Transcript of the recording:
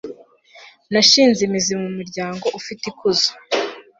nashinze imizi mu muryango ufite ikuzo